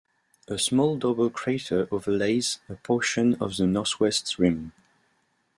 A small double-crater overlays a portion of the northwest rim.